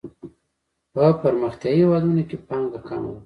په پرمختیايي هیوادونو کې پانګه کمه ده.